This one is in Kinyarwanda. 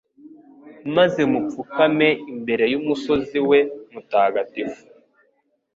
maze mupfukame imbere y’umusozi we mutagatifu